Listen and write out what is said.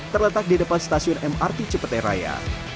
terletak di depan stasiun mrt cepete raya